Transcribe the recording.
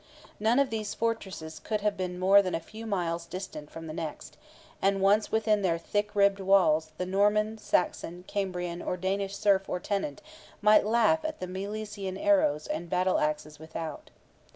None of these fortresses could have been more than a few miles distant from the next, and once within their thick ribbed walls, the Norman, Saxon, Cambrian, or Danish serf or tenant might laugh at the Milesian arrows and battle axes without.